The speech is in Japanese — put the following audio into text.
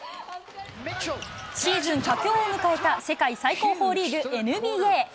シーズン佳境を迎えた世界最高峰リーグＮＢＡ。